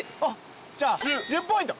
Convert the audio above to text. じゃあ１０ポイント。